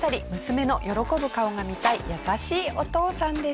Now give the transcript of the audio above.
娘の喜ぶ顔が見たい優しいお父さんでした。